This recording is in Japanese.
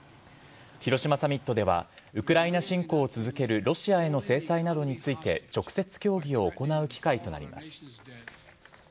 広島サミットでは、ウクライナ侵攻を続けるロシアへの制裁などについて、直接協議を行う機会となります。